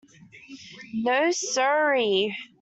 No-sir-ee.